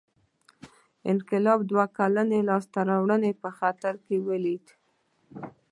انقلاب دوه کلنۍ لاسته راوړنې په خطر کې لیدې.